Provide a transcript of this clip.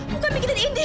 bukan mikirin ini